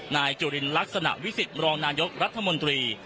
นายจุลินลักษณะวิสิทธิมรองนายกรัฐมนตรี